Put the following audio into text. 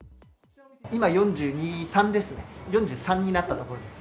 今４３ですね、４３になったところです。